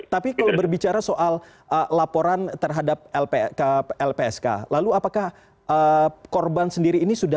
tapi kalau berbicara soal laporan terhadap lpk lpsk lalu apakah korban sendiri ini sudah